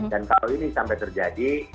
kalau ini sampai terjadi